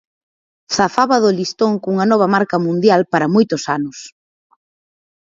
Zafaba do listón cunha nova marca mundial para moitos anos.